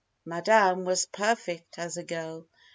"Madame was perfect as a girl.